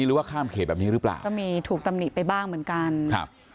หรือว่าข้ามเขตแบบนี้หรือเปล่าก็มีถูกตำหนิไปบ้างเหมือนกันครับ